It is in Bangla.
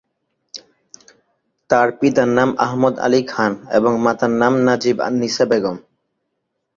তাঁর পিতার নাম আহমদ আলী খান এবং মাতার নাম নাজিব আন-নিসা বেগম।